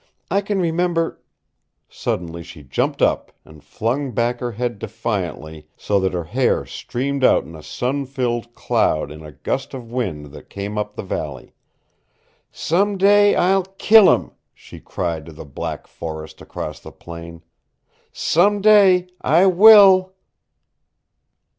I kin remember " Suddenly she jumped up, and flung back her head defiantly, so that her hair streamed out in a sun filled cloud in a gust of wind that came up the valley. "Some day, I'll kill 'im," she cried to the black forest across the plain. "Some day I will!"